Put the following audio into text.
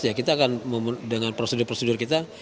ya kita akan dengan prosedur prosedur kita